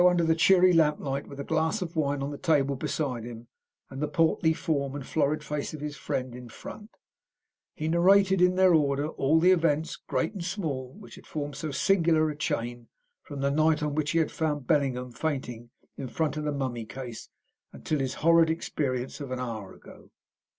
Under the cheery lamplight, with a glass of wine on the table beside him, and the portly form and florid face of his friend in front, he narrated, in their order, all the events, great and small, which had formed so singular a chain, from the night on which he had found Bellingham fainting in front of the mummy case until his horrid experience of an hour ago.